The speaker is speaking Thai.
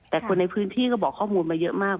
แต่คนในพื้นที่ก็บอกข้อมูลมาเยอะมาก